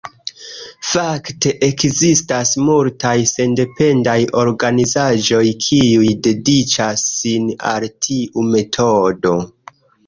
Fakte, ekzistas multaj sendependaj organizaĵoj, kiuj dediĉas sin al tiu metodo.